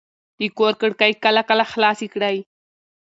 د کور کړکۍ کله کله خلاصې کړئ.